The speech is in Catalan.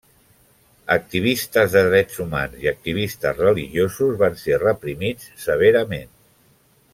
Activistes de drets humans i activistes religiosos van ser reprimits severament.